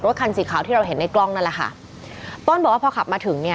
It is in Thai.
คันสีขาวที่เราเห็นในกล้องนั่นแหละค่ะต้นบอกว่าพอขับมาถึงเนี่ย